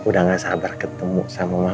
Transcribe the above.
udah gak sabar ketemu sama mama